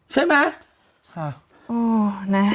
ใช่มั้ย